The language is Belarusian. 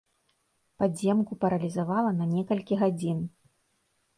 Падземку паралізавала на некалькі гадзін.